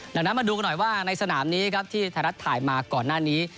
ดังนั้นมาดูกันหน่อยว่าในสนามนี้ครับที่ไทยรัฐถ่ายมาก่อนหน้านี้